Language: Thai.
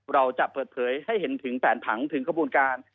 เราจะเปิดเผยให้เห็นถึงแผนผังถึงกระบวนการ